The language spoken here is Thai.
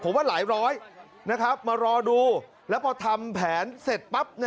ผมว่าหลายร้อยนะครับมารอดูแล้วพอทำแผนเสร็จปั๊บ